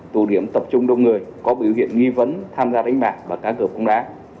tù điểm tập trung đông người có biểu hiện nghi vấn tham gia đánh bạc và cắt cược bóng đá